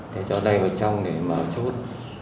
để cho đây vào trong để mở chốt